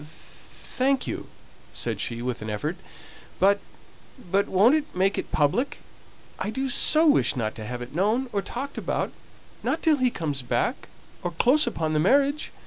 "Thank you!" said she, with an effort. "But but won't it make it public? I do so wish not to have it known, or talked about, not till he comes back or close upon the marriage."